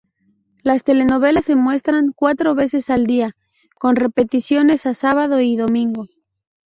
Las telenovelas se muestran cuatro veces al día, con repeticiones a Sábado y Domingo.